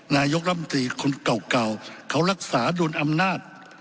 นายกรรมตรีคนเก่าเขารักษาดุลอำนาจ